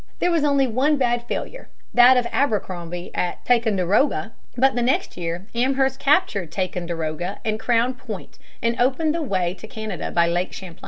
There was only one bad failure, that of Abercrombie at Ticonderoga. But the next year Amherst captured Ticonderoga and Crown Point and opened the way to Canada by Lake Champlain.